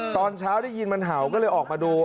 ตอนเช้าได้ยินมันเห่าก็เลยออกมาดู